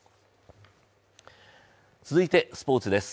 続いてスポ−ツです。